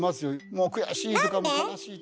もう悔しい！とか悲しい。